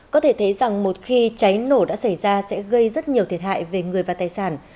có thể thấy rằng một khi cháy nổ đã xảy ra sẽ gây rất nhiều thiệt hại về người và tài sản